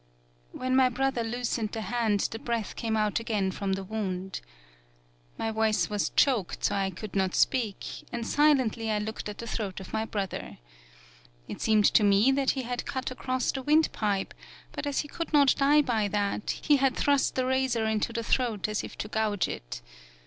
"When my brother loosened the hand the breath came out again from the wound. My voice was choked so that I could not speak, and silently I looked at the throat of my brother. It seemed 25 PAULOWNIA to me that he had cut across the wind pipe, but as he could not die by that, he had thrust the razor into the throat as if to gouge it.